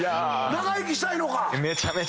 長生きしたいのか？